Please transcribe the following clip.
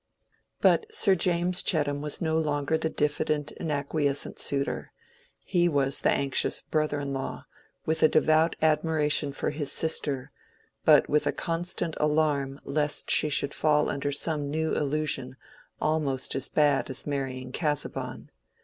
But Sir James Chettam was no longer the diffident and acquiescent suitor: he was the anxious brother in law, with a devout admiration for his sister, but with a constant alarm lest she should fall under some new illusion almost as bad as marrying Casaubon.